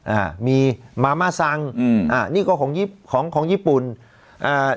อ่ามีมาม่าซังอืมอ่านี่ก็ของยิปของของญี่ปุ่นอ่า